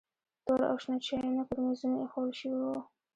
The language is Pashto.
تور او شنه چایونه پر میزونو ایښودل شوي وو.